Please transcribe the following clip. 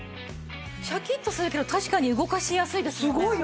シャキッとするけど確かに動かしやすいですよね。